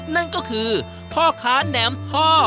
นั่นก็คือพ่อค้าแหนมพ่อ